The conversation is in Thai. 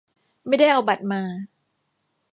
ไม่ได้เอาบัตรมา